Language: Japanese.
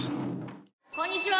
こんにちは。